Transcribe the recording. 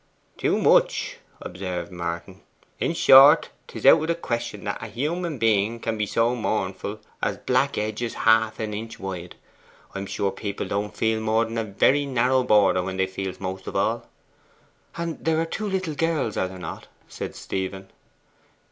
'Too much,' observed Martin. 'In short, 'tis out of the question that a human being can be so mournful as black edges half an inch wide. I'm sure people don't feel more than a very narrow border when they feels most of all.' 'And there are two little girls, are there not?' said Stephen.